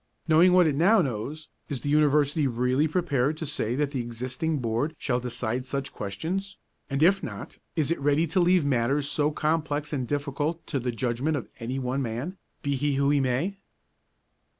Knowing what it now knows, is the University really prepared to say that the existing board shall decide such questions; and, if not, is it ready to leave matters so complex and difficult to the judgment of any one man, be he who he may?